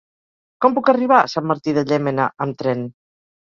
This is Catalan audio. Com puc arribar a Sant Martí de Llémena amb tren?